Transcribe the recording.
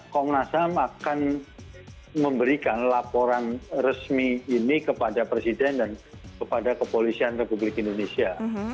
komnas ham akan memberikan laporan resmi ini kepada presiden dan kepada kepolisian republik indonesia